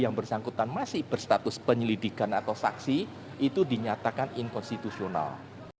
yang bersangkutan masih berstatus penyelidikan atau saksi itu dinyatakan inkonstitusional